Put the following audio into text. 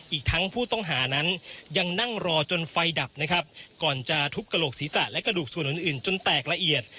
อีกทั้งผู้ต้องหานั้นยังนั่งรอจนไฟดับนะครับก่อนจะทุบกระโหลกศีรษะและกระดูกส่วนอื่นอื่นจนแตกละเอียด